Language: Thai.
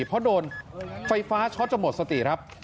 เพราะโดนไฟฟ้าช็อตจนหมดสติครับ